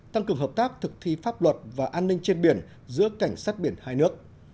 tăng cường hợp tác thực thi pháp luật và an ninh trên biển giữa cảnh sát biển hai nước